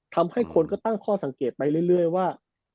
ทำให้คนก็ตั้งข้อสังเกตไปเรื่อยว่า